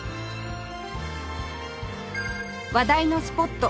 話題のスポット